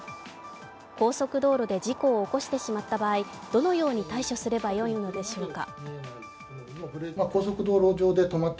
高速道路で事故を起こしてしまった場合どのように対処すればよいのでしょうか？